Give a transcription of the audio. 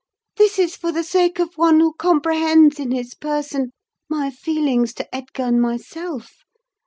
This is for the sake of one who comprehends in his person my feelings to Edgar and myself.